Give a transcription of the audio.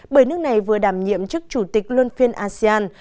bởi nước này vừa đảm nhiệm chức chủ tịch luân phiên asean